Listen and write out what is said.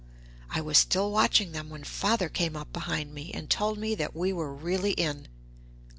I was still watching them when Father came up behind me, and told me that we were really in.